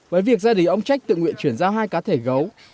với việc gia đình ông trách tự nguyện chuyển ra hai cá thể gấu